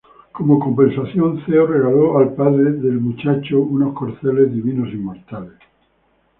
Como compensación Zeus regaló al padre del muchacho unos corceles divinos inmortales.